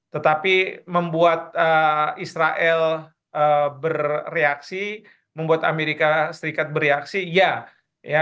tetapi membuat israel bereaksi membuat amerika serikat bereaksi iya